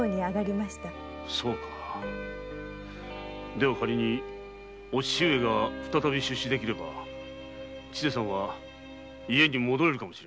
では仮に父上が再び出仕できれば千勢さんは家に戻れるかも。